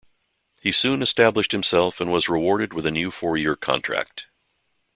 He soon established himself and was rewarded with a new four-year contract.